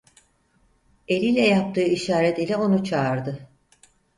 Eliyle yaptığı işaret ile onu çağırdı.